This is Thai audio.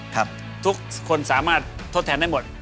ทุกคนสามารถทดแทนได้หมด